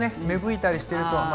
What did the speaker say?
芽吹いたりしてると。